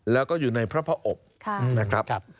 แล้วก็อยู่ในพระพระอบ